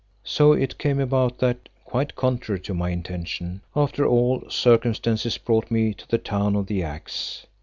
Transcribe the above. So it came about that, quite contrary to my intention, after all circumstances brought me to the Town of the Axe.